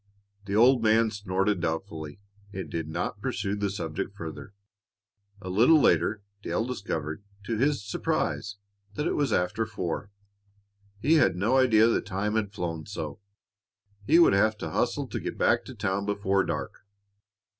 The old man snorted doubtfully and did not pursue the subject farther. A little later, Dale discovered, to his surprise, that it was after four. He had no idea the time had flown so. He would have to hustle to get back to town before dark.